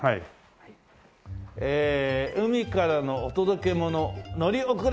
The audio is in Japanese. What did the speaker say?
「海からのお届け物のり遅れないで！」。